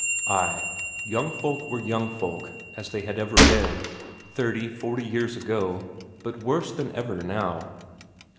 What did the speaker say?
Ay, young folk were young folk as they had ever been, thirty, forty years ago, but worse than ever now.